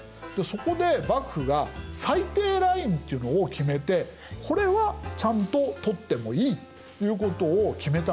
そこで幕府が最低ラインっていうのを決めてこれはちゃんと取ってもいいということを決めたんです。